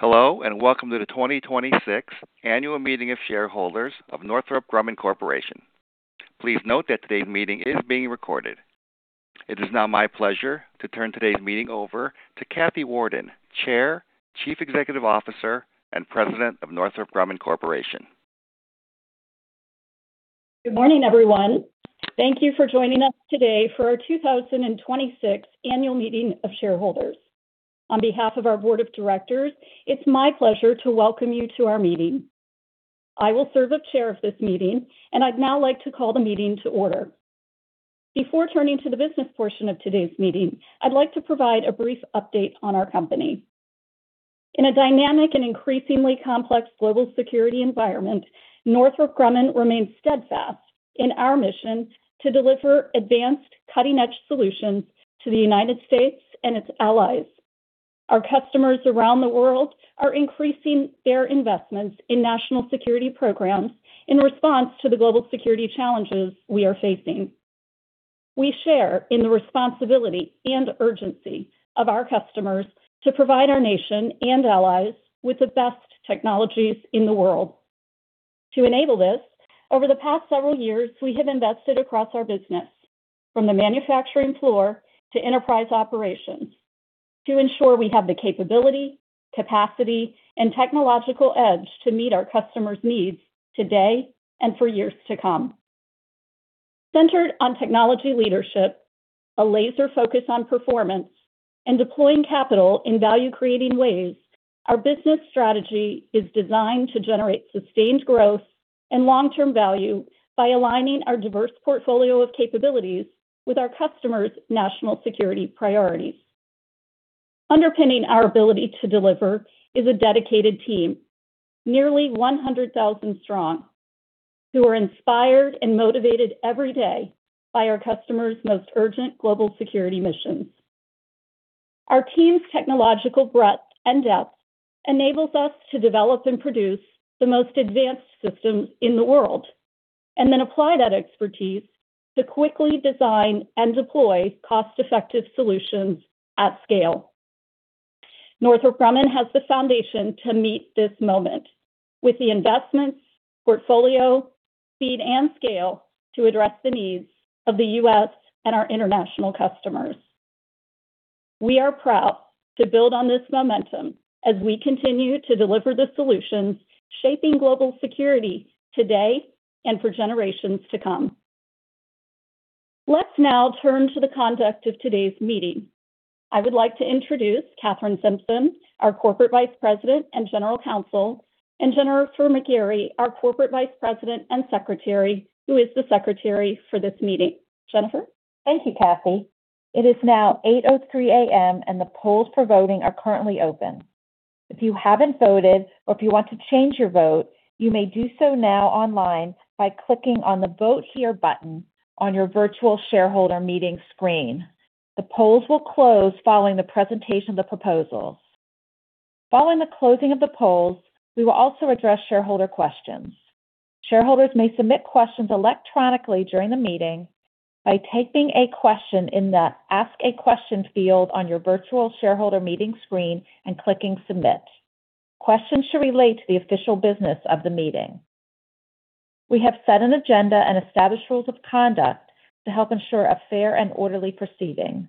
Hello and welcome to the 2026 Annual Meeting of Shareholders of Northrop Grumman Corporation. Please note that today's meeting is being recorded. It is now my pleasure to turn today's meeting over to Kathy Warden, Chair, Chief Executive Officer, and President of Northrop Grumman Corporation. Good morning, everyone. Thank you for joining us today for our 2026 Annual Meeting of Shareholders. On behalf of our Board of Directors, it's my pleasure to welcome you to our meeting. I will serve as Chair of this meeting, and I'd now like to call the meeting to order. Before turning to the business portion of today's meeting, I'd like to provide a brief update on our company. In a dynamic and increasingly complex global security environment, Northrop Grumman remains steadfast in our mission to deliver advanced cutting-edge solutions to the United States and its allies. Our customers around the world are increasing their investments in national security programs in response to the global security challenges we are facing. We share in the responsibility and urgency of our customers to provide our nation and allies with the best technologies in the world. To enable this, over the past several years, we have invested across our business, from the manufacturing floor to enterprise operations, to ensure we have the capability, capacity, and technological edge to meet our customers' needs today and for years to come. Centered on technology leadership, a laser focus on performance, and deploying capital in value-creating ways, our business strategy is designed to generate sustained growth and long-term value by aligning our diverse portfolio of capabilities with our customers' national security priorities. Underpinning our ability to deliver is a dedicated team, nearly 100,000 strong, who are inspired and motivated every day by our customers' most urgent global security missions. Our team's technological breadth and depth enables us to develop and produce the most advanced systems in the world and then apply that expertise to quickly design and deploy cost-effective solutions at scale. Northrop Grumman has the foundation to meet this moment with the investments, portfolio, speed, and scale to address the needs of the U.S. and our international customers. We are proud to build on this momentum as we continue to deliver the solutions shaping global security today and for generations to come. Let's now turn to the conduct of today's meeting. I would like to introduce Kathryn Simpson, our Corporate Vice President and General Counsel, and Jennifer C. McGarey, our Corporate Vice President and Secretary, who is the secretary for this meeting. Thank you, Kathy. It is now 8:03 A.M., the polls for voting are currently open. If you haven't voted or if you want to change your vote, you may do so now online by clicking on the Vote Here button on your virtual shareholder meeting screen. The polls will close following the presentation of the proposals. Following the closing of the polls, we will also address shareholder questions. Shareholders may submit questions electronically during the meeting by typing a question in the Ask A Question field on your virtual shareholder meeting screen and clicking Submit. Questions should relate to the official business of the meeting. We have set an agenda and established rules of conduct to help ensure a fair and orderly proceeding.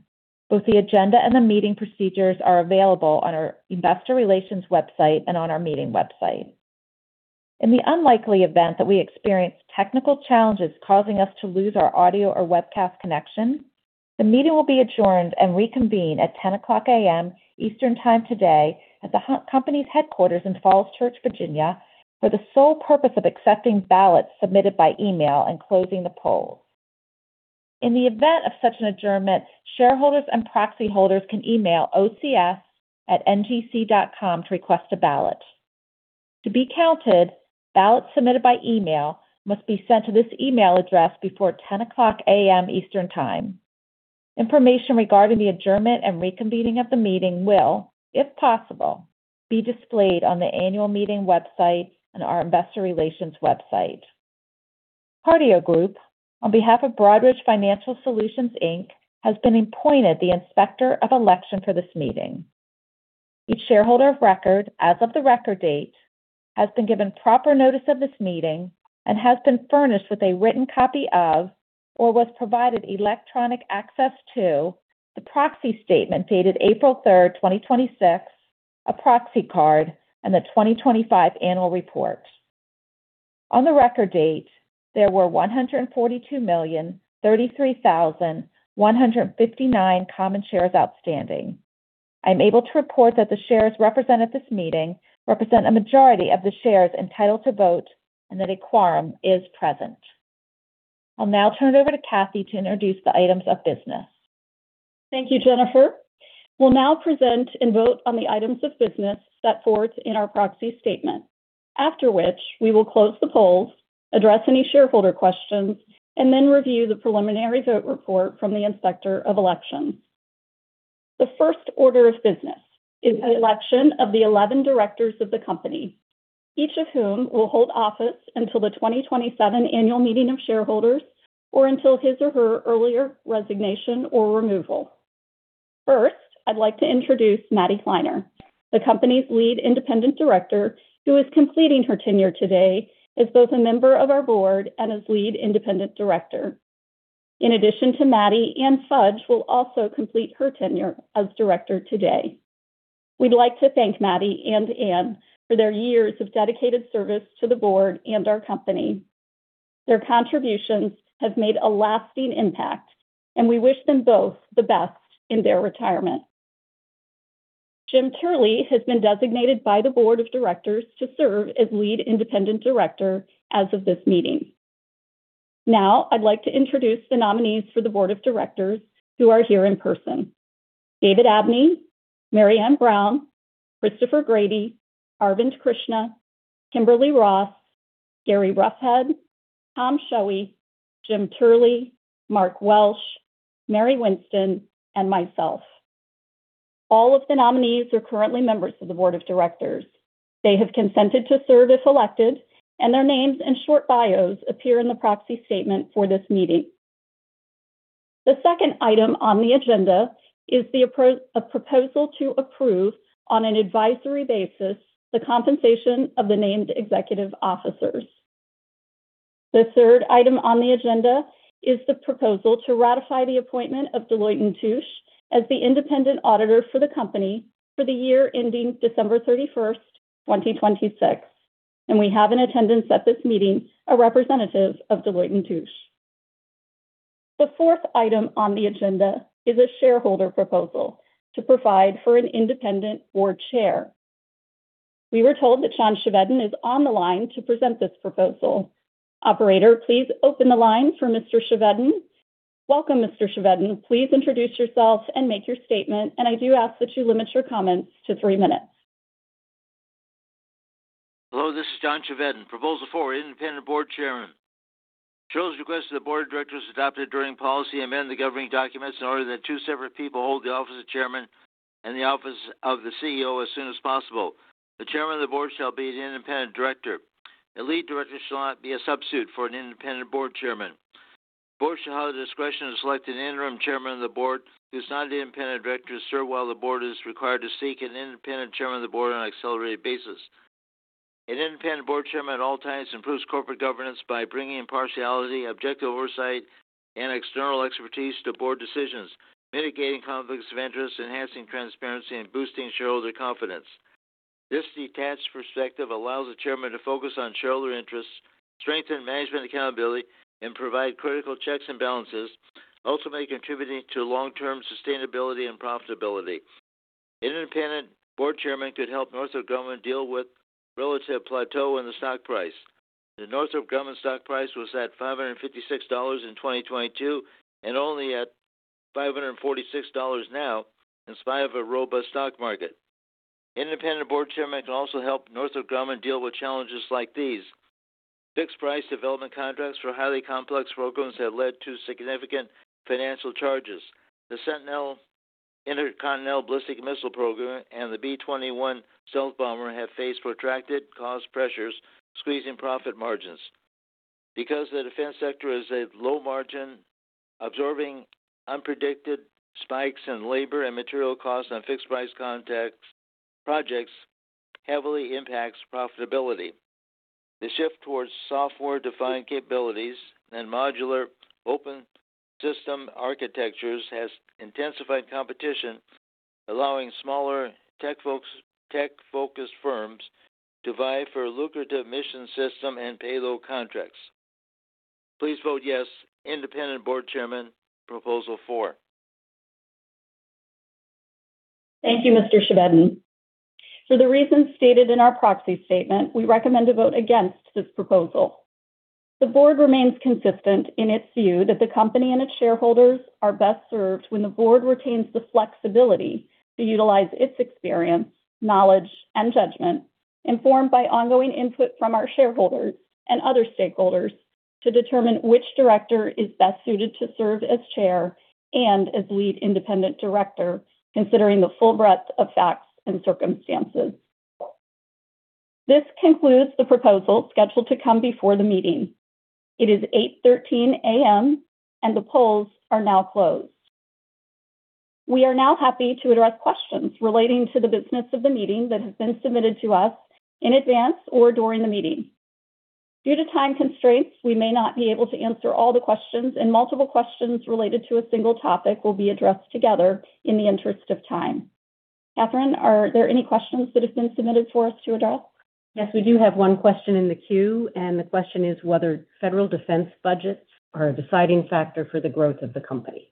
Both the agenda and the meeting procedures are available on our investor relations website and on our meeting website. In the unlikely event that we experience technical challenges causing us to lose our audio or webcast connection, the meeting will be adjourned and reconvene at 10:00 A.M. Eastern Time today at the company's headquarters in Falls Church, Virginia, for the sole purpose of accepting ballots submitted by email and closing the polls. In the event of such an adjournment, shareholders and proxy holders can email ocs@ngc.com to request a ballot. To be counted, ballots submitted by email must be sent to this email address before 10:00 A.M. Eastern Time. Information regarding the adjournment and reconvening of the meeting will, if possible, be displayed on the annual meeting website and our investor relations website. The Carideo Group, on behalf of Broadridge Financial Solutions, Inc., has been appointed the Inspector of Election for this meeting. Each shareholder of record as of the record date has been given proper notice of this meeting and has been furnished with a written copy of or was provided electronic access to the proxy statement dated April 3, 2026, a proxy card, and the 2025 annual report. On the record date, there were 142,033,159 common shares outstanding. I'm able to report that the shares represented at this meeting represent a majority of the shares entitled to vote and that a quorum is present. I'll now turn it over to Kathy to introduce the items of business. Thank you, Jennifer. We'll now present and vote on the items of business set forth in our proxy statement. After which, we will close the polls, address any shareholder questions, and then review the preliminary vote report from the Inspector of Election. The first order of business is the election of the 11 directors of the company. Each of whom will hold office until the 2027 annual meeting of shareholders or until his or her earlier resignation or removal. First, I'd like to introduce Maddie Kleiner, the company's lead independent director who is completing her tenure today as both a Member of our Board and as Lead Independent Director. In addition to Maddie, Ann Fudge will also complete her tenure as director today. We'd like to thank Maddie and Anne for their years of dedicated service to the Board and our company. Their contributions have made a lasting impact, and we wish them both the best in their retirement. Jim Turley has been designated by the Board of Directors to serve as Lead Independent Director as of this meeting. Now I'd like to introduce the nominees for the Board of Directors who are here in person. David Abney, Marianne Brown, Christopher Grady, Arvind Krishna, Kimberly Ross, Gary Roughead, Tom Schoewe, Jim Turley, Mark Welsh, Mary Winston, and myself. All of the nominees are currently Members of the Board of Directors. They have consented to serve if elected, and their names and short bios appear in the proxy statement for this meeting. The second item on the agenda is a proposal to approve on an advisory basis the compensation of the named executive officers. The third item on the agenda is the proposal to ratify the appointment of Deloitte & Touche as the independent auditor for the company for the year ending December 31st, 2026, and we have in attendance at this meeting a representative of Deloitte & Touche. The fourth item on the agenda is a shareholder proposal to provide for an Independent Board Chair. We were told that John Chevedden is on the line to present this proposal. Operator, please open the line for Mr. Chevedden. Welcome, Mr. Chevedden. Please introduce yourself and make your statement, and I do ask that you limit your comments to three minutes. Hello, this is John Chevedden, proposal for Independent Board Chairman. Shares request that the Board of Directors adopt an enduring policy amend the governing documents in order that two separate people hold the office of Chairman and the office of the CEO as soon as possible. The Chairman of the Board shall be an Independent Director. A Lead Director shall not be a substitute for an Independent Board Chairman. Board shall have the discretion to select an Interim Chairman of the Board who's not an Independent Director to serve while the Board is required to seek an Independent Chairman of the Board on an accelerated basis. An Independent Board Chairman at all times improves corporate governance by bringing impartiality, objective oversight, and external expertise to Board decisions, mitigating conflicts of interest, enhancing transparency, and boosting shareholder confidence. This detached perspective allows the Chairman to focus on shareholder interests, strengthen management accountability, and provide critical checks and balances, ultimately contributing to long-term sustainability and profitability. Independent board chairman could help Northrop Grumman deal with relative plateau in the stock price. The Northrop Grumman stock price was at $556 in 2022 and only at $546 now in spite of a robust stock market. Independent Board Chairman can also help Northrop Grumman deal with challenges like these. Fixed price development contracts for highly complex programs have led to significant financial charges. The Sentinel Intercontinental Ballistic Missile program and the B-21 stealth bomber have faced protracted cost pressures, squeezing profit margins. The defense sector is a low margin, absorbing unpredicted spikes in labor and material costs on fixed price contracts, projects heavily impacts profitability. The shift towards software-defined capabilities and modular open system architectures has intensified competition, allowing smaller tech-focused firms to vie for lucrative mission system and payload contracts. Please vote yes, Independent Board Chairman, proposal four. Thank you, Mr. Chevedden. For the reasons stated in our proxy statement, we recommend a vote against this proposal. The Board remains consistent in its view that the company and its shareholders are best served when the Board retains the flexibility to utilize its experience, knowledge, and judgment, informed by ongoing input from our shareholders and other stakeholders to determine which Director is best suited to serve as chair and as Lead Independent Director, considering the full breadth of facts and circumstances. This concludes the proposal scheduled to come before the meeting. It is 8:13 A.M., and the polls are now closed. We are now happy to address questions relating to the business of the meeting that have been submitted to us in advance or during the meeting. Due to time constraints, we may not be able to answer all the questions, and multiple questions related to a single topic will be addressed together in the interest of time. Kathryn, are there any questions that have been submitted for us to address? Yes, we do have one question in the queue, and the question is whether federal defense budgets are a deciding factor for the growth of the company.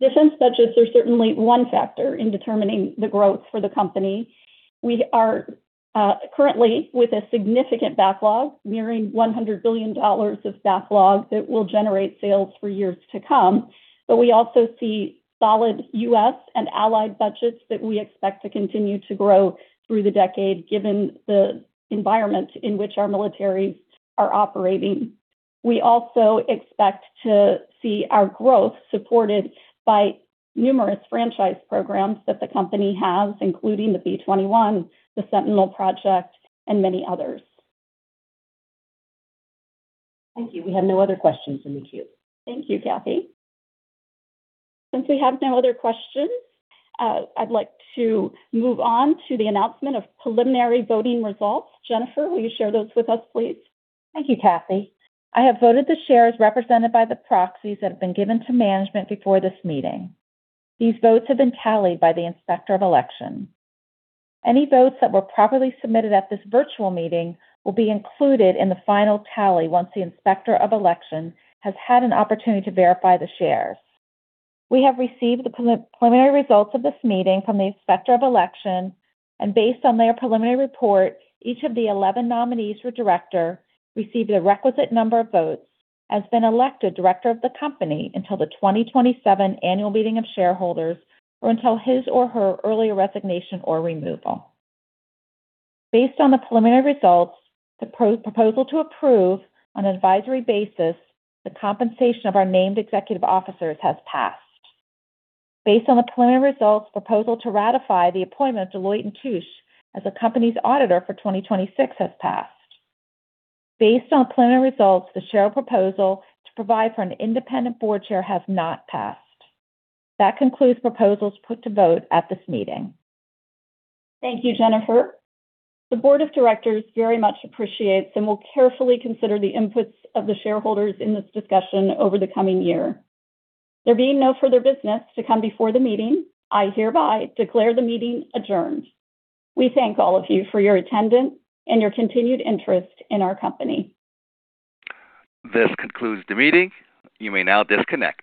Defense budgets are certainly one factor in determining the growth for the company. We are currently with a significant backlog, nearing $100 billion of backlog that will generate sales for years to come. We also see solid U.S. and allied budgets that we expect to continue to grow through the decade, given the environment in which our militaries are operating. We also expect to see our growth supported by numerous franchise programs that the company has, including the B-21, the Sentinel Project, and many others. Thank you. We have no other questions in the queue. Thank you, Kathy. We have no other questions, I'd like to move on to the announcement of preliminary voting results. Jennifer, will you share those with us, please? Thank you, Kathy. I have voted the shares represented by the proxies that have been given to management before this meeting. These votes have been tallied by the Inspector of Election. Any votes that were properly submitted at this virtual meeting will be included in the final tally once the Inspector of Election has had an opportunity to verify the shares. We have received the preliminary results of this meeting from the Inspector of Election. Based on their preliminary report, each of the 11 nominees for Director received a requisite number of votes, has been elected Director of the company until the 2027 annual meeting of shareholders or until his or her earlier resignation or removal. Based on the preliminary results, the proposal to approve on an advisory basis the compensation of our named executive officers has passed. Based on the preliminary results, proposal to ratify the appointment of Deloitte & Touche as the company's auditor for 2026 has passed. Based on preliminary results, the shareholder proposal to provide for an Independent Board Chair has not passed. That concludes proposals put to vote at this meeting. Thank you, Jennifer. The Board of Directors very much appreciates and will carefully consider the inputs of the shareholders in this discussion over the coming year. There being no further business to come before the meeting, I hereby declare the meeting adjourned. We thank all of you for your attendance and your continued interest in our company. This concludes the meeting. You may now disconnect.